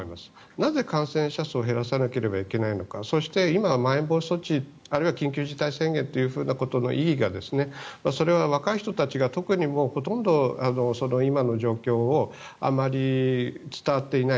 なぜ感染者数を減らさなければならないのかそして今、まん延防止措置あるいは緊急事態宣言ということの意義がそれは若い人たちが特にほとんど今の状況をあまり伝わっていない。